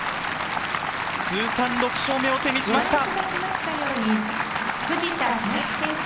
通算６勝目を手にしました。